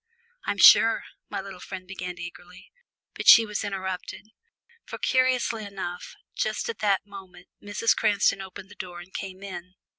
"I'm sure " my little friend began eagerly. But she was interrupted. For curiously enough, just at that moment Mrs. Cranston opened the door and came in.